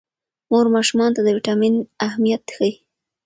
مور ماشومانو ته د ویټامین اهمیت ښيي.